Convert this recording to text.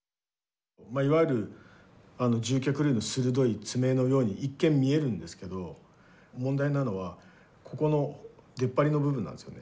いわゆる獣脚類の鋭い爪のように一見見えるんですけど問題なのはここの出っ張りの部分なんですよね。